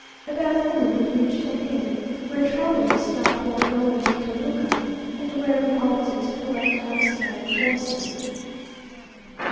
About noon we reached an inn, where travellers stop who are going to Toluca, and where we halted to collect our scattered forces.